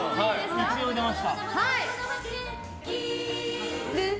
一応出ました。